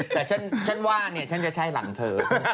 แต่ฉันว่าเนี่ยฉันจะใช้หลังเธอ